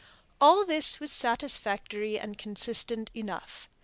All this was satisfactory and consistent enough.